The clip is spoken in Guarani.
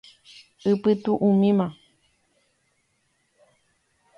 Epytu'umína.